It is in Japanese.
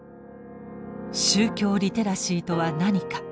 宗教リテラシーとは何か？